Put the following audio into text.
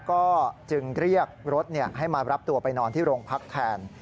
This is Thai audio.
ก็จึงเรียกรถให้มารับตัวไปนอนที่โรงพักแทน